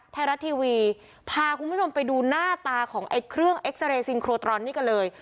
ไทยรัฐทีวีพาคุณผู้ชมไปดูหน้าตาของไอ้เครื่องเอ็กซาเรย์ซินโครตรอนนี่กันเลย